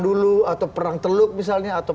dulu atau perang teluk misalnya atau